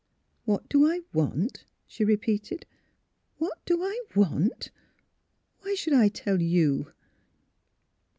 " What do I want? " she repeated. '' What do I want? Why should I tell you?